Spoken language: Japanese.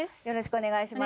お願いします。